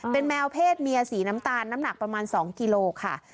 เป็นแมวเพศเมียสีน้ำตาลน้ำหนักประมาณ๒กิโลค่ะ